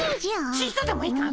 ちとでもいかん！